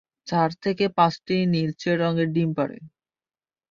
চার থেকে পাঁচটি নীলচে রঙের ডিম পাড়ে।